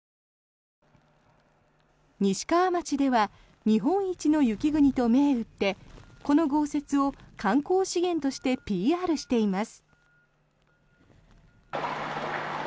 西川町では日本一の雪国と銘打ってこの豪雪を観光資源としてＰＲしています。